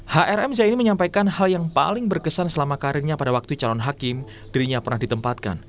hrm zaini menyampaikan hal yang paling berkesan selama karirnya pada waktu calon hakim dirinya pernah ditempatkan